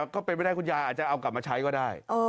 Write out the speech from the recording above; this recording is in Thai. ก็เป็นไปได้คุณยายอาจจะเอากลับมาใช้ก็ได้